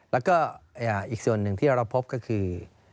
แล้วก็อีกส่วนหนึ่งที่เราพบก็คือ